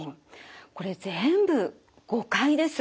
これ全部誤解です。